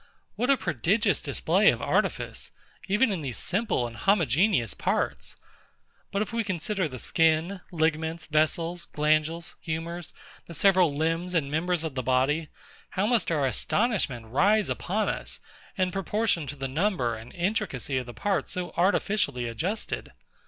What a prodigious display of artifice, even in these simple and homogeneous parts! But if we consider the skin, ligaments, vessels, glandules, humours, the several limbs and members of the body; how must our astonishment rise upon us, in proportion to the number and intricacy of the parts so artificially adjusted!